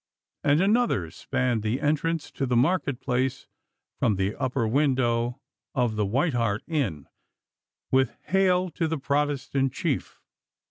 and another spanned the entrance to the market place from the upper window of the White Hart Inn, with 'Hail to the Protestant Chief!